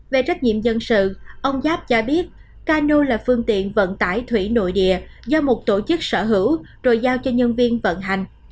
về trách nhiệm dân sự ông giáp cho biết cano là phương tiện vận tải thủy nội địa do một tổ chức sở hữu rồi giao cho nhân viên vận hành